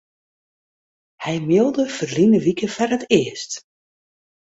Hy mailde ferline wike foar it earst.